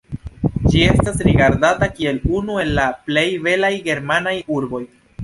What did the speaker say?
Ĝi estas rigardata kiel unu el la plej belaj germanaj urboj.